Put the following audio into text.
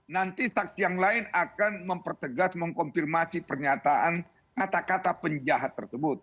nanti saksi yang lain akan mempertegas mengkonfirmasi pernyataan kata kata penjahat tersebut